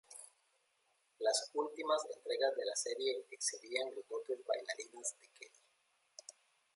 Las últimas entregas de la serie exhibían las dotes bailarinas de Kelly.